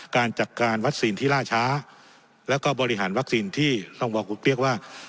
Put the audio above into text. การจัดการวัคซีนที่ล่าช้าแล้วก็บริหารวัคซีนที่ต้องบอกคุณเปี๊กว่า